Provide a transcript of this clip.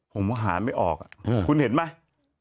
ผมไม่หาออกคุณเห็นยังไหม